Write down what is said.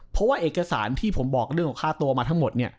เพราะว่าเอกสารที่ผมบอกเรื่องของค่าตัวมาทั้งหมด